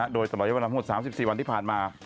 โดยตลอดยาวรัมหก๓๔วันที่ผ่านมา